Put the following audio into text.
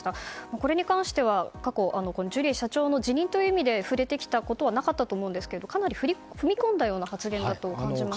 これに関しては過去ジュリー社長の辞任にまでは触れてきたことはなかったと思うんですがかなり踏み込んだ発言だと感じました。